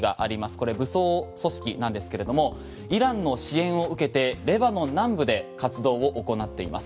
これ武装組織なんですけれどもイランの支援を受けてレバノン南部で活動を行っています。